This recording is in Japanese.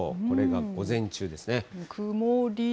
これが午前中ですね。